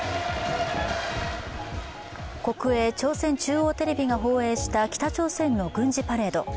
国営・朝鮮中央テレビが放映した北朝鮮の軍事パレード。